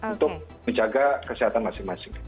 untuk menjaga kesehatan masing masing